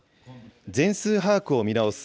全数把握を見直す